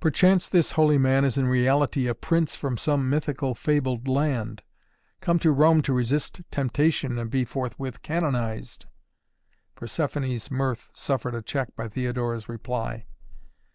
"Perchance this holy man is in reality a prince from some mythical, fabled land come to Rome to resist temptation and be forthwith canonized " Persephoné's mirth suffered a check by Theodora's reply.